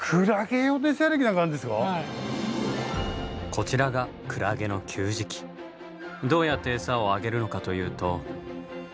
こちらがどうやって餌をあげるのかというと。